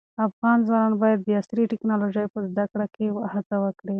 افغان ځوانان باید د عصري ټیکنالوژۍ په زده کړه کې هڅه وکړي.